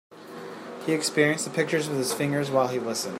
He experienced the pictures with his fingers while he listened.